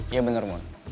iya bener mon